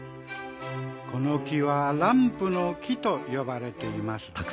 この木はランプの木とよばれています。